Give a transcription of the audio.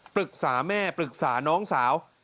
ปรึกษาแม่ปรึกษาน้องสาว